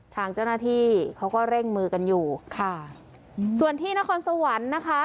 ทางเจ้าหน้าที่เขาก็เร่งมือกันอยู่ค่ะส่วนที่นครสวรรค์นะคะ